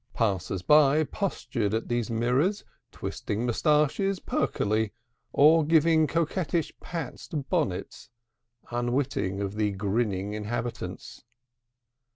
Passers by postured at these mirrors, twisting moustaches perkily, or giving coquettish pats to bonnets, unwitting of the grinning inhabitants.